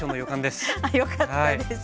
よかったです。